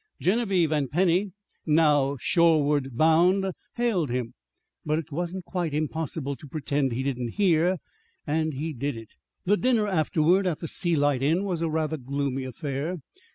Genevieve and Penny, now shoreward bound, hailed him. But it wasn't quite impossible to pretend he didn't hear, and he did it. The dinner afterward at the Sea Light Inn was a rather gloomy affair.